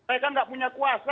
mereka enggak punya kuasa